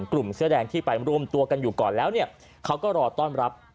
กลุ่มเสื้อแดงที่ไปร่วมตัวกันอยู่ก่อนแล้วเขาก็รอต้อนรับ